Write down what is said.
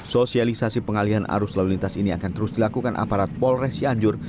sosialisasi pengalihan arus lalu lintas ini akan terus dilakukan aparat polres cianjur